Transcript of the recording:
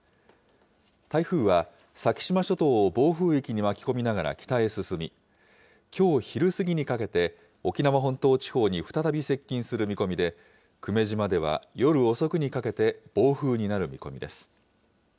台風は先島諸島を暴風域に巻き込みながら北へ進み、きょう昼過ぎにかけて沖縄本島地方に再び接近する見込みで、久米島では夜遅くにかけて暴風になる見込みです。